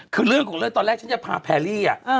คือคุณภาพตลต่อแล้วฉันจะพาแพรรี่